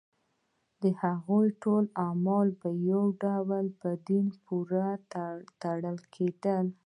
د هغوی ټول اعمال په یو ډول په دین پورې تړل کېږي.